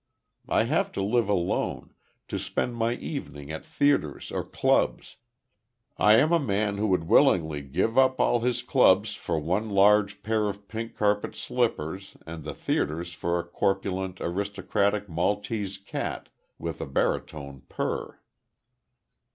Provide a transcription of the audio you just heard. I have to live alone to spend my evening at theatres or clubs I am a man who would willingly give up all his clubs for one large pair of pink carpet slippers, and the theatres for a corpulent, aristocratic Maltese cat, with a baritone purr."